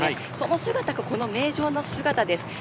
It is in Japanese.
その姿がこの名城の姿です。